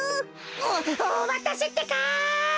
おおまたせってか！